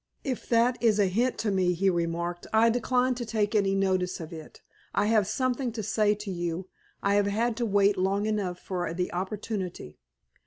"If that is a hint to me," he remarked, "I decline to take any notice of it. I have something to say to you. I have had to wait long enough for the opportunity."